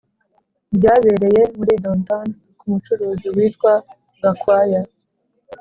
ryabereye muri Downtown ku mucuruzi witwa gakwaya